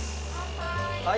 はい。